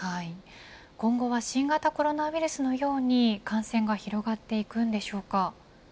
今後は新型コロナウイルスのように感染が広がっていくんでしょうか。